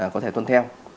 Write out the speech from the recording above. có thể tuân theo